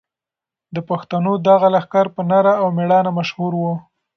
د پښتنو دغه لښکر په نره او مېړانه مشهور و.